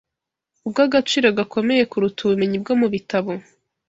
ubw’agaciro gakomeye kuruta ubumenyi bwo mu bitabo